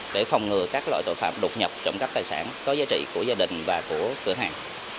để phòng ngừa các loại tội phạm đột nhập trộm cắp tài sản có giá trị của gia đình và của cửa hàng